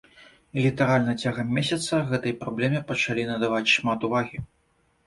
І літаральна цягам месяца гэтай праблеме пачалі надаваць шмат увагі.